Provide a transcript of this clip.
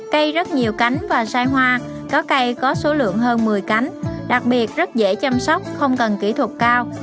cây rất nhiều cánh và sai hoa có cây có số lượng hơn một mươi cánh đặc biệt rất dễ chăm sóc không cần kỹ thuật cao